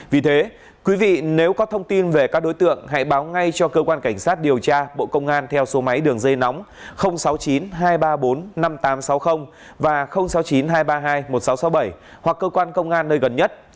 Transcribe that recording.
vì thế quý vị nếu có thông tin về các đối tượng hãy báo ngay cho cơ quan cảnh sát điều tra bộ công an theo số máy đường dây nóng sáu mươi chín hai trăm ba mươi bốn năm nghìn tám trăm sáu mươi và sáu mươi chín hai trăm ba mươi hai một nghìn sáu trăm sáu mươi bảy hoặc cơ quan công an nơi gần nhất